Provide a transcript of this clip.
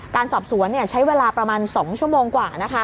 การสอบสวนใช้เวลาประมาณ๒ชั่วโมงกว่า